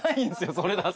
それだと。